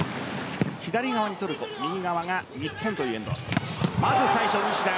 左側にトルコ右側が日本というエンド。